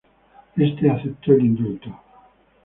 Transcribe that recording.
Éste aceptó el indulto.